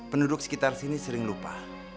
penduduk sekitar sini sering lupa